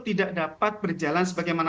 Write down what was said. tidak dapat berjalan sebagaimana